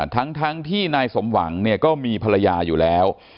ทั้งที่นายสมหวังเนี่ยก็มีภรรยาอยู่แล้ว